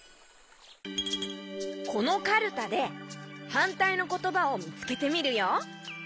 このカルタではんたいのことばをみつけてみるよ。